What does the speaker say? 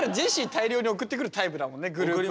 大量に送ってくるタイプだもんねグループ。